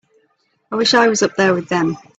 I wish I was up there with them.